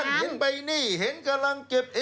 เห็นใบนั้นเห็นใบนี้เห็นกำลังเก็บ